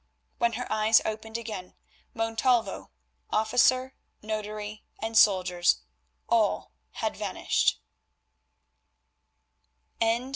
When her eyes opened again, Montalvo, officer, notary, and soldiers, all had vanished.